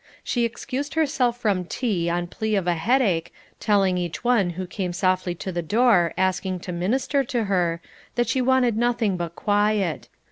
She excused herself from tea on plea of a headache, telling each one who came softly to the door asking to minister to her, that she wanted nothing but quiet.